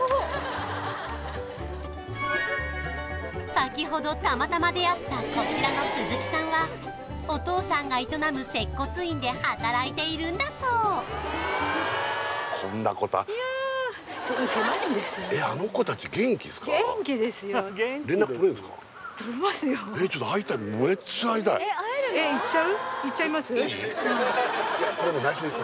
先ほどたまたま出会ったこちらの鈴木さんはお父さんが営む接骨院で働いているんだそういやえっちょっと会いたいめっちゃ会いたい行っちゃいます？